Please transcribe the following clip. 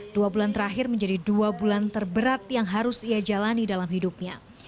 dua bulan terakhir menjadi dua bulan terberat yang harus ia jalani dalam hidupnya